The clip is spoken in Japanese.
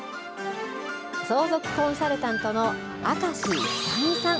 相続コンサルタントの明石久美さん。